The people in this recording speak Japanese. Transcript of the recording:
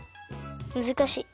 むずかしい。